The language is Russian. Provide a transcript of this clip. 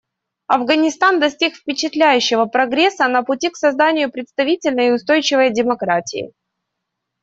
Афганистан достиг впечатляющего прогресса на пути к созданию представительной и устойчивой демократии.